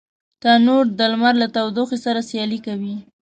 تنور د لمر له تودوخي سره سیالي کوي